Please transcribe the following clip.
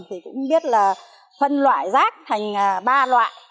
thì cũng biết là phân loại rác thành ba loại